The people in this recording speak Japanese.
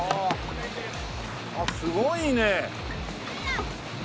あっすごいね。